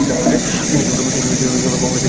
তিনি কংগ্রেস থেকে পদত্যাগ করেন।